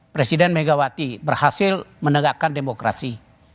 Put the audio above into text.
presiden megawati berhasil menegakkan demokrasi